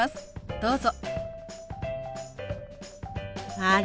どうぞ。